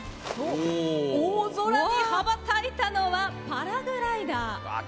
大空に羽ばたいたのはパラグライダー。